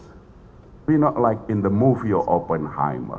kami bukan seperti di film atau di oppenheimer